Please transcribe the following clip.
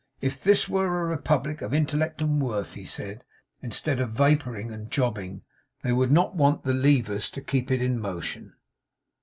'If this were a republic of Intellect and Worth,' he said, 'instead of vapouring and jobbing, they would not want the levers to keep it in motion.